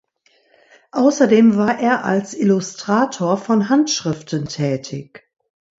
Außerdem war er als Illustrator von Handschriften tätig.